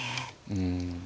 うん。